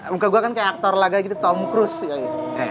muka gue kan kayak aktor laga gitu tom cruise